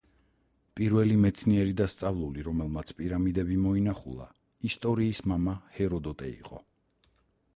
პირველი მეცნიერი და სწავლული, რომელმაც პირამიდები მოინახულა, ისტორიის მამა, ჰეროდოტე იყო.